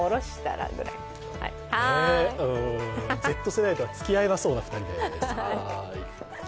うーん、Ｚ世代とはつきあえなさそうな２人です。